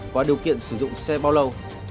và điều kiện sử dụng xe bao lâu